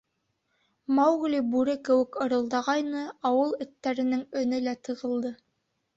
Маугли бүре кеүек ырылдағайны, ауыл эттәренең өнө лә тығылды.